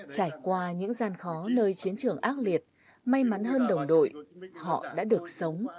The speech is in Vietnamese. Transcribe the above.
trải qua những gian khó nơi chiến trường ác liệt may mắn hơn đồng đội họ đã được sống